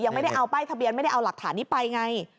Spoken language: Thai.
ไม่ได้เอาป้ายทะเบียนไม่ได้เอาหลักฐานนี้ไปไง